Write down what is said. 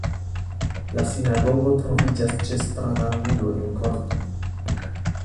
La sinagogo troviĝas ĉe stratangulo en korto.